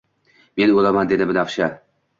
Men o’laman dedi binafsha